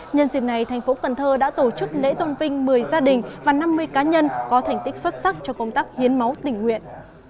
nhân dịp này tp cnh đã tổ chức lễ tôn vinh một mươi gia đình và năm mươi cá nhân có thành tích xuất sắc cho công tác hiến máu tình nguyện